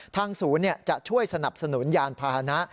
ทางศูนย์จะช่วยสนับสนุนยานพาหนะ